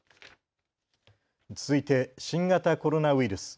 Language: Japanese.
続いて新型コロナウイルス。